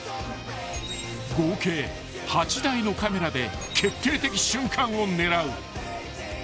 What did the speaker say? ［合計８台のカメラで決定的瞬間を狙う］